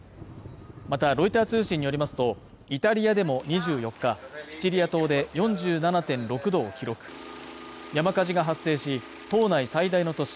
またロイター通信によりますとイタリアでも２４日シチリア島で４７．６度を記録山火事が発生し島内最大の都市